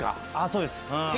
そうです。